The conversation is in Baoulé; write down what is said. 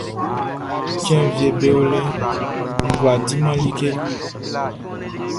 Cɛn wieʼm be o lɛʼn, n kwlá diman like.